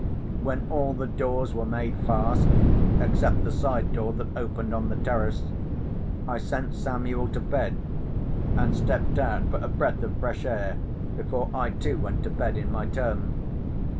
When all the doors were made fast, except the side door that opened on the terrace, I sent Samuel to bed, and stepped out for a breath of fresh air before I too went to bed in my turn.